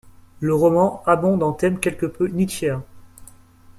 Le roman abonde en thèmes quelque peu nietzschéens.